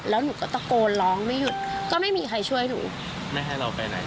แล้วหนูก็ตะโกนร้องไม่หยุดก็ไม่มีใครช่วยหนูไม่ให้เราไปไหน